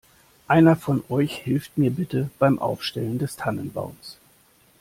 Einer von euch hilft mir bitte beim Aufstellen des Tannenbaums.